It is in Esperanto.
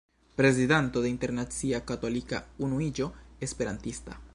Prezidanto de Internacia Katolika Unuiĝo Esperantista.